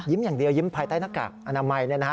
อย่างเดียวยิ้มภายใต้หน้ากากอนามัย